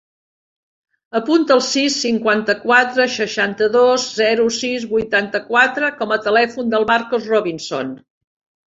Apunta el sis, cinquanta-quatre, seixanta-dos, zero, sis, vuitanta-quatre com a telèfon del Marcos Robinson.